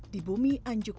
di bumi anjukkul